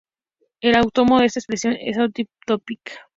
El antónimo de esta expresión es on-topic.